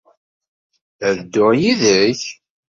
Ad dduɣ yid-k?